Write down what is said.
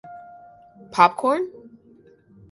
Popcorn?